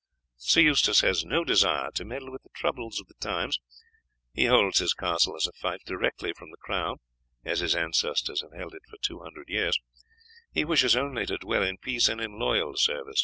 Sir Eustace has no desire to meddle with the troubles of the times; he holds his castle as a fief directly from the crown, as his ancestors have held it for two hundred years; he wishes only to dwell in peace and in loyal service to the king."